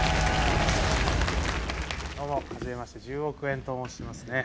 １０億円と申します。